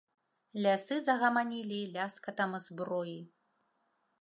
Лясы загаманілі ляскатам зброі.